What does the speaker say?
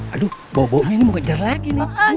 aduh boboknya ini mau kejar lagi